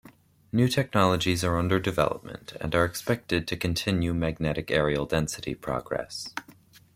New technologies are under development and are expected to continue magnetic areal density progress.